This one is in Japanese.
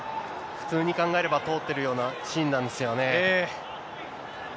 普通に考えれば通ってるようなシーンなんですよね。